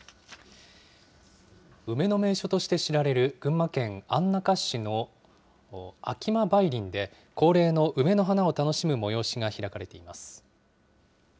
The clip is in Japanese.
梅の名所として知られる群馬県安中市の秋間梅林で、恒例の梅の花を楽しむ催しが開かれています。